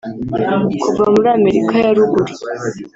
kuva muri Amerika ya Ruguru